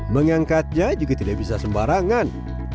mengangkatnya juga tidak bisa sembarangan